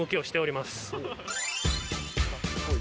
しております。